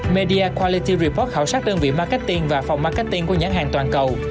media quality report khảo sát đơn vị marketing và phòng marketing của nhắn hàng toàn cầu